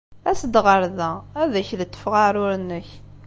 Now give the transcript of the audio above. As-d ɣer da. Ad ak-letfeɣ aɛrur-nnek.